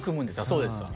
そうですわ